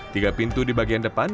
tiga pintu di bagian depan